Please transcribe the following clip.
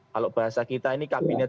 kalau bahasa kita ini kabinet